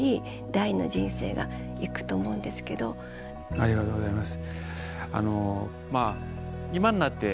ありがとうございます。